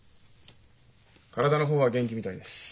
体の方は元気みたいです。